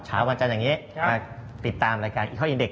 เช้าวันจันทร์อย่างนี้มาติดตามรายการอีกข้ออินเด็ก